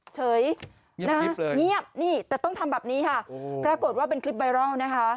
เฉยนะเงียบนี่แต่ต้องทำแบบนี้ค่ะปรากฏว่าเป็นคลิปไวรัลนะคะ